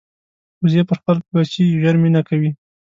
وزې پر خپل بچي ژر مینه کوي